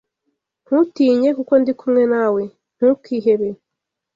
Ntutinye, kuko ndi kumwe na we; ntukihebe